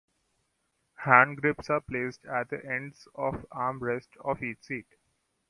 Hand grips are placed at the ends of the arm rests of each seat.